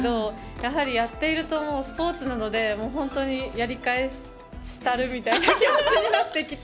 やはりやっているとスポーツなので本当にやり返したる！みたいな気持ちになってきて。